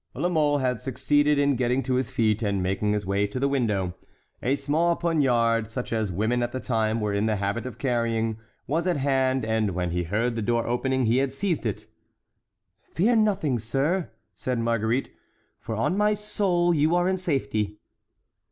La Mole had succeeded in getting to his feet and making his way to the window. A small poniard, such as women at that time were in the habit of carrying, was at hand, and when he heard the door opening he had seized it. "Fear nothing, sir," said Marguerite; "for, on my soul, you are in safety!"